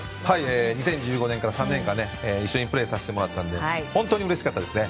２０１５年から３年間一緒にプレーさせてもらったので本当にうれしかったですね。